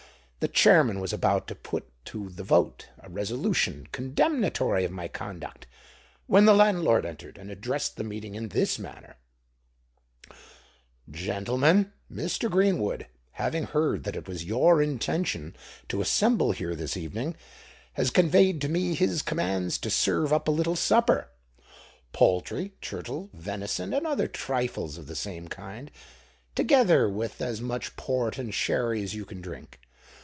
The chairman was about to put to the vote a Resolution condemnatory of my conduct, when the landlord entered, and addressed the meeting in this manner:—'Gentlemen, Mr. Greenwood, having heard that it was your intention to assemble here this evening, has conveyed to me his commands to serve up a little supper—poultry, turtle, venison, and other trifles of the same kind, together with as much port and sherry as you can drink.